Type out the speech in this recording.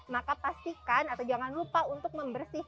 maka pastikan atau jangan lupa untuk membersihkan